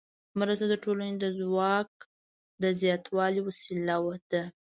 مرسته د ټولنې د ځواک د زیاتوالي وسیله ده.